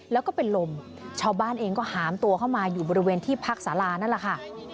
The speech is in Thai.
แล้วก็เป็นลมชาวบ้านเองก็หามตัวเข้ามาอยู่บริเวณที่พักสารานั่นแหละค่ะ